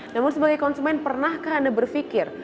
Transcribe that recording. namun sebagai konsumen pernahkah anda berpikir